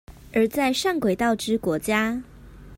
而在上軌道之國家